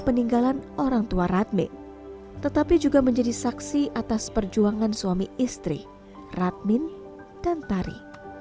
peninggalan orang tua radmi tetapi juga menjadi saksi atas perjuangan suami istri radmin dan tari